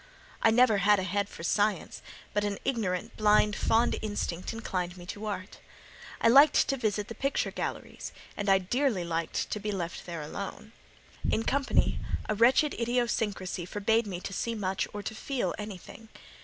I never had a head for science, but an ignorant, blind, fond instinct inclined me to art. I liked to visit the picture galleries, and I dearly liked to be left there alone. In company, a wretched idiosyncracy forbade me to see much or to feel anything.